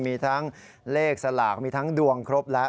มีทั้งเลขสลากมีทั้งดวงครบแล้ว